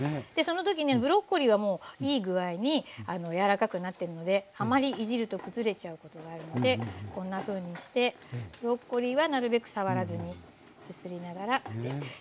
でその時にブロッコリーはもういい具合に柔らかくなってるのであまりいじると崩れちゃうことがあるのでこんなふうにしてブロッコリーはなるべく触らずに揺すりながらです。